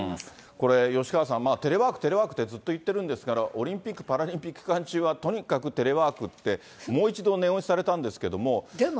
これ、吉川さん、テレワーク、テレワークって、ずっと言ってるんですが、オリンピック・パラリンピック期間中は、とにかくテレワークって、もう一度念押しされたんですけども。